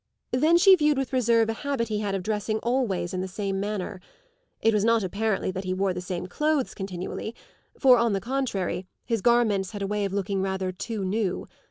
Then she viewed with reserve a habit he had of dressing always in the same manner; it was not apparently that he wore the same clothes continually, for, on the contrary, his garments had a way of looking rather too new.